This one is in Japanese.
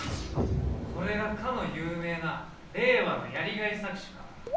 これがかの有名な令和のやりがい搾取か。